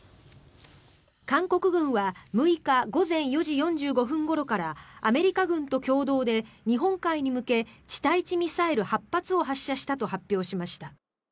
韓国軍は６日午前４時４５分ごろからアメリカ軍と共同で日本海に向け地対地ミサイル８発を発射したと発表しました。